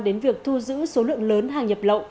đến việc thu giữ số lượng lớn hàng nhập lậu